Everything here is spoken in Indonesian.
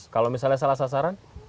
kalau misalnya salah sasaran